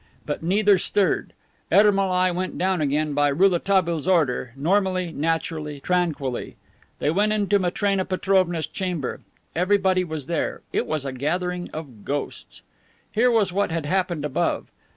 But neither stirred. Ermolai went down again, by Rouletabille's order, normally, naturally, tranquilly. They went into Matrena Petrovna's chamber. Everybody was there. It was a gathering of ghosts. Here was what had happened above.